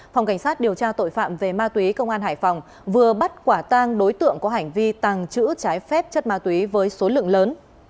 phòng cảnh sát điều tra tội phạm về ma túy công an hải phòng vừa bắt quả tang đối tượng có hành vi tàng trữ trái phép chất ma túy với số lượng lớn